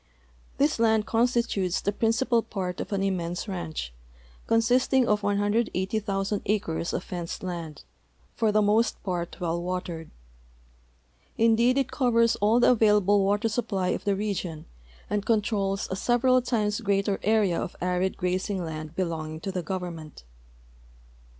This land constitutes the principal part of an immense ranch, consisting of 180,000 acres of fenced land, for the most }>art well watered. Indeed it covers all the available water siij) })1}' of the region and controls a several times greater area ol' arid grazing land l)elonging to the government.